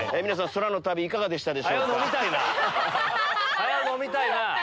早飲みたいな！